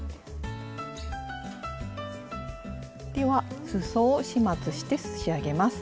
ではすそを始末して仕上げます。